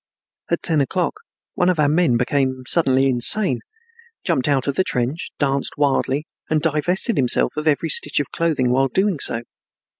At ten o'clock one of our men became suddenly insane, jumped out of the trench, danced wildly and divested himself of every stitch of clothing while doing so.